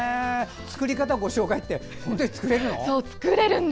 作り方ご紹介って本当に作れるの？